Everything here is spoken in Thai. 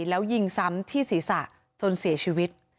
แล้วยิงซ้ำที่ศีรษะจนเสียชีวิต